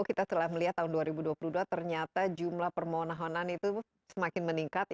kita telah melihat tahun dua ribu dua puluh dua ternyata jumlah permohonan itu semakin meningkat